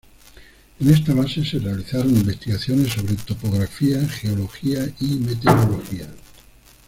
En esta base se realizaron investigaciones sobre topografía, geología y meteorología.